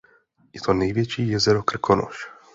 Je to největší jezero "Krkonoš".